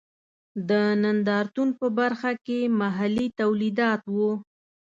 د نندارتون په برخه کې محلي تولیدات و.